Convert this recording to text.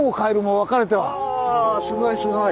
あすごいすごい。